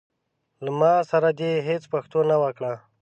له ما سره دي هيڅ پښتو نه وکړه.